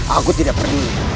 aku tidak peduli